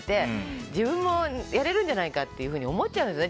自分もやれるんじゃないかって思っちゃうんですよね。